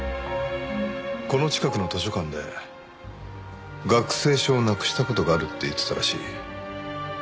この近くの図書館で学生証をなくした事があるって言ってたらしい。